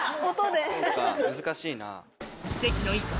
そっか難しいな。